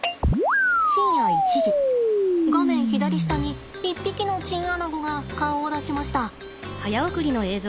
深夜１時画面左下に一匹のチンアナゴが顔を出しました。